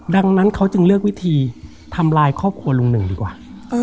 ดังนั้นเขาจึงเลือกวิธีทำลายครอบครัวลุงหนึ่งดีกว่า